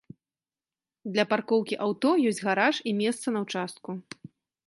Для паркоўкі аўто ёсць гараж і месца на ўчастку.